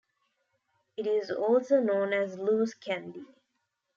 It is also known as loose candy.